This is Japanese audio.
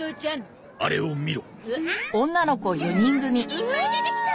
いっぱい出てきた。